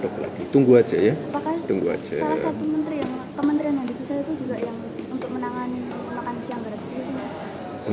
salah satu kementerian yang dipisah itu juga yang untuk menangani makan siang gratis ini